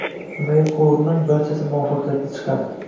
Nimaga qo‘l urmang, barchasi muvaffaqiyatli chiqadi.